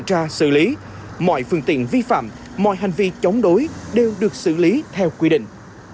tra xử lý mọi phương tiện vi phạm mọi hành vi chống đối đều được xử lý theo quy định